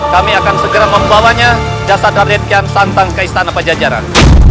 kami akan segera membawanya jasad raden kian santang ke istana pajajaran